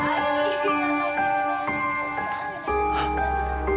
antutu nafaslah santai